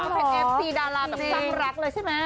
เป็นเอฟซีดาราแบบตั้งรักเลยใช่ไหม